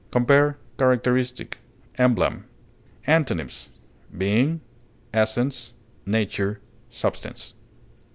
Compare CHARACTERISTIC; EMBLEM. Antonyms: being, essence, nature, substance.